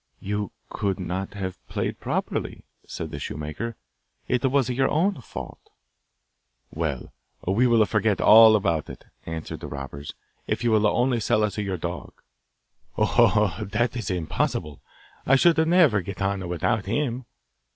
'You could not have played properly,' said the shoemaker. 'It was your own fault.' 'Well, we will forget all about it,' answered the robbers, 'if you will only sell us your dog.' 'Oh, that is impossible! I should never get on without him.